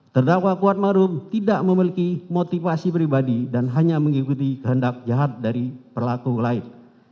terdakwa kuatmarum tidak memiliki motivasi pribadi dan hanya mengikuti kehendak jahat dari pelaku lain